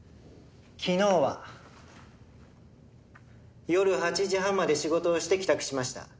昨日は夜８時半まで仕事をして帰宅しました。